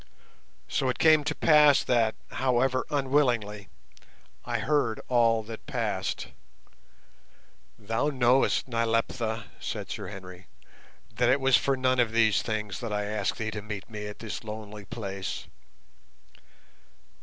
So it came to pass that, however unwillingly, I heard all that passed. "Thou knowest, Nyleptha," said Sir Henry, "that it was for none of these things that I asked thee to meet me at this lonely place.